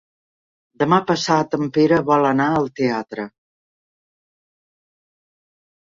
Demà passat en Pere vol anar al teatre.